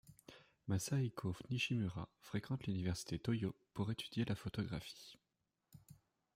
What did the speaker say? Masahiko Nishimura fréquente l'université Tōyō pour étudier la photographie.